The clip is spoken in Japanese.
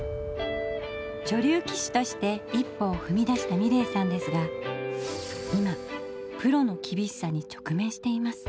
女流棋士として一歩をふみだした美礼さんですが今プロの厳しさに直面しています。